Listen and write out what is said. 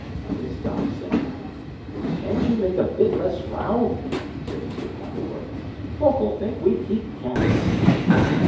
They stopped singing. "Can't you make a bit less row?" said Mr. Pappleworth. "Folk'll think we keep cats."